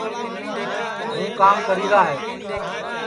ہوں کام کریرا ہے